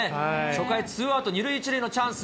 初回、ツーアウト２塁１塁のチャンス。